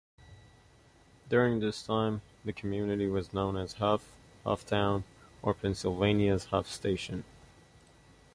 During this time, the community was known as Huff, Hufftown, or, Pennsylvania Huff's Station.